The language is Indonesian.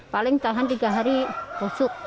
paling tahan tiga hari busuk